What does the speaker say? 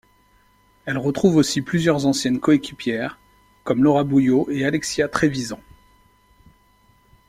Elle retrouve aussi plusieurs anciennes coéquipières, comme Laura Bouillot et Alexia Trevisan.